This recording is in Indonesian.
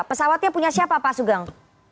pesawatnya punya siapa pak sugeng